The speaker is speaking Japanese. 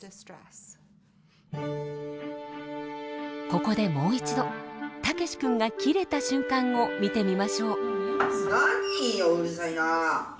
ここでもう一度たけし君がキレた瞬間を見てみましょう。